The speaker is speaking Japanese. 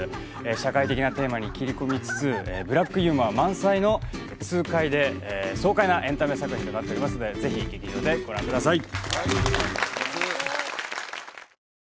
社会的なテーマに切り込みつつブラックユーモア満載の痛快で爽快なエンタメ作品となっておりますのでぜひ劇場でご覧ください